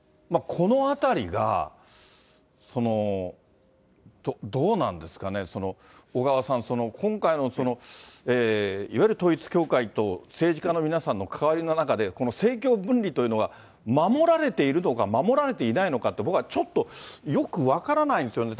このあたりがどうなんですかね、小川さん、今回のいわゆる統一教会と政治家の皆さんの関わりの中で、この政教分離というのは、守られているのか守られていないのかって、僕はちょっと、よく分からないんですよね。